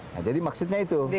nah jadi maksudnya itu